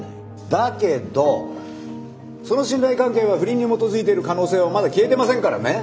だけどその信頼関係は不倫に基づいている可能性もまだ消えてませんからね？